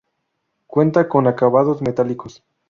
Cuenta con acabados metálicos.